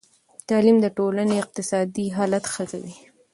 تعلیم د ټولنې اقتصادي حالت ښه کوي.